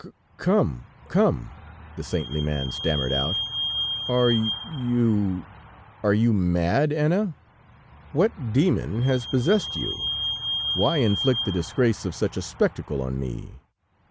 "Come, come," the saintly man stammered out, "are you are you mad, Anna! What demon has possessed you? Why inflict the disgrace of such a spectacle on me?"